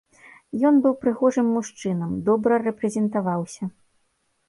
Ён быў прыгожым мужчынам, добра рэпрэзентаваўся.